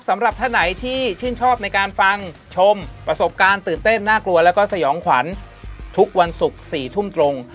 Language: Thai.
สำหรับท่านไหนที่ชื่นชอบในการฟังชมประสบการณ์ตื่นเต้นน่ากลัวแล้วก็สยองขวัญทุกวันศุกร์๔ทุ่มตรง